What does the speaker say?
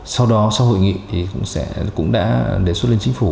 sau đó sau hội nghị thì cũng đã đề xuất lên chính phủ